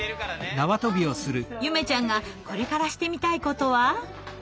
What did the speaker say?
ゆめちゃんがこれからしてみたいことは？